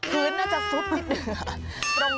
พื้นน่าจะซุบนิดหนึ่ง